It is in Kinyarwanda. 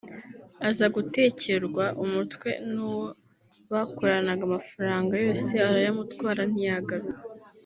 aza gutekerwa umutwe n’uwo bakoranaga amafranga yose arayamutwara ntiyagaruka